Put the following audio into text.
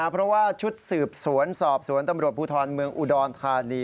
เพราะว่าชุดสืบสวนสอบสวนตำรวจภูทรเมืองอุดรธานี